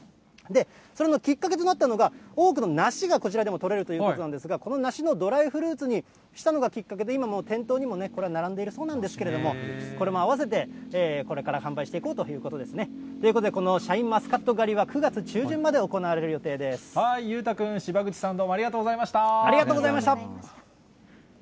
それのきっかけとなったのが、多くの梨がこちらでも取れるということなんですが、この梨のドライフルーツにしたのがきっかけで、今も店頭に並んでるそうなんですけれども、これも合わせて、これから販売していこうということですね。ということで、このシャインマスカット狩りは、９月中旬まで行わ裕太君、芝口さん、どうもあありがとうございました。